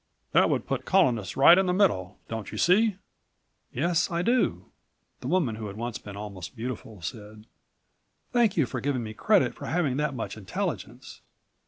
That would put the Colonists right in the middle, don't you see?" "Yes ... I do," the woman who had once been almost beautiful said. "Thank you for giving me credit for having that much intelligence.